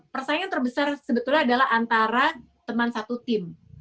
persepakat yang terbesar sebetulnya adalah antara teman satu tim